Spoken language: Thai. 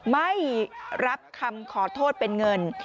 ไม่รับคำขอโทษเป็นเงิน